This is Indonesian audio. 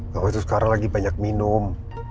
gak usah sekarang lagi banyak minum